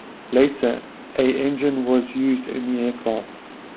Later, a engine was used in the aircraft.